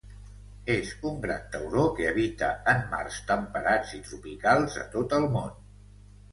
És un gran tauró que habita en mars temperats i tropicals de tot el món.